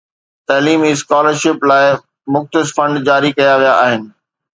تعليمي scholarship لاءِ مختص فنڊ جاري ڪيا ويا آهن